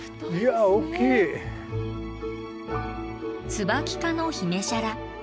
ツバキ科のヒメシャラ。